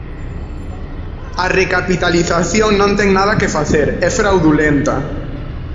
A recapitalización non ten nada que facer, é fraudulenta.